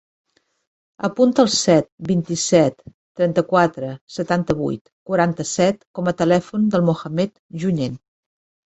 Apunta el set, vint-i-set, trenta-quatre, setanta-vuit, quaranta-set com a telèfon del Mohamed Junyent.